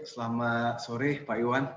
selamat sore pak iwan